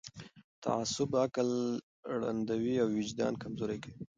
تعصب عقل ړندوي او وجدان کمزوری کوي